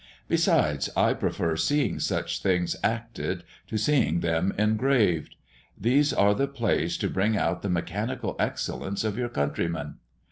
Besides I prefer seeing such scenes acted to seeing them engraved. These are the plays to bring out the mechanical excellence of your countrymen.